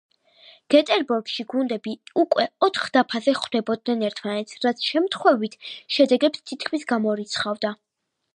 გეტებორგში გუნდები უკვე ოთხ დაფაზე ხვდებოდნენ ერთმანეთს, რაც შემთხვევით შედეგებს თითქმის გამორიცხავდა.